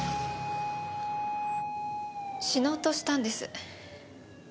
死のうとしたんです。